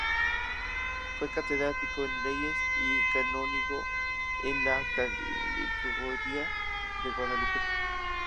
Fue catedrático en Leyes y canónigo en la colegiata de Guadalupe.